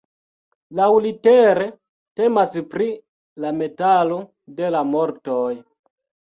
Laŭlitere, temas pri la metalo de la mortoj.